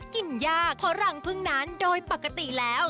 กินย่าขอรังพึ่งนั้นโดยปกติแล้ว